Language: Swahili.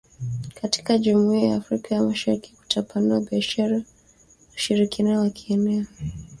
katika jumuia ya Afrika ya mashariki kutapanua biashara na ushirikiano wa kieneo